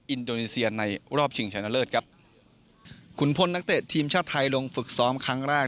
อินโดนิเซียในรอบชิงฉะนวดครับคุณพลนักเต็จทีมชาตรทายลงฝึกซ้อมครั้งลาก